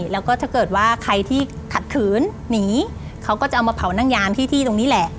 แล้วก็ถ้าเกิดว่าใครที่ขัดขืนหนีเขาก็จะเอามาเผานั่งยามที่ที่ตรงนี้แหละ